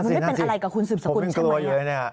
มันไม่เป็นอะไรกับคุณสืบสกุลใช่ไหม